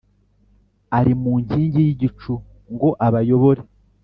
ari mu nkingi y’igicu, ngo abayohore: